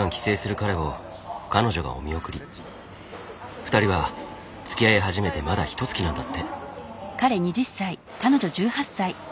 ２人はつきあい始めてまだひとつきなんだって。